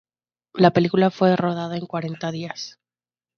La película fue rodada en cuarenta días.